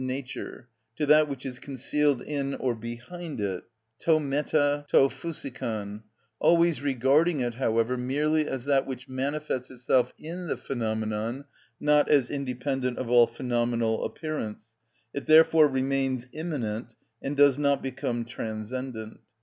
_, nature, to that which is concealed in or behind it (το μετα το φυσικον), always regarding it, however, merely as that which manifests itself in the phenomenon, not as independent of all phenomenal appearance; it therefore remains immanent, and does not become transcendent.